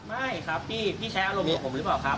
พี่แอดวันนั้นพี่แอดอยู่ในเหตุการณ์พูดสิบคำอ้างถึงผู้ใหญ่กี่คำ